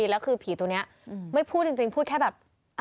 แล้วคือผีตัวนี้ไม่พูดจริงพูดแค่แบบ